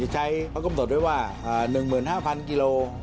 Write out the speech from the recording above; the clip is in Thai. ท้ายพ่อกำหนดไว้ว่า๑๕๐๐๐กิโล